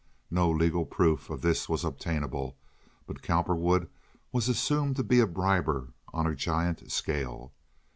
No legal proof of this was obtainable, but Cowperwood was assumed to be a briber on a giant scale.